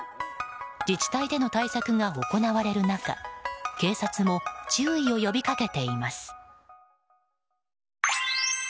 自治体での対策が行われる中警察も注意を呼びかけています。